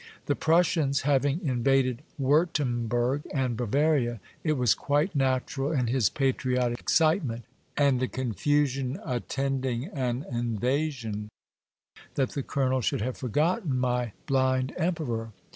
The Prussians having in vaded Wiirtemberg and Bavaria, it was quite natural, in his patriotic excitement and the confu sion attending an invasion, that the colonel should have forgotten my Blind Emperor.